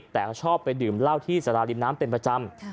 แต่เขาชอบไปดื่มเหล้าที่สาราริมน้ำเป็นประจำ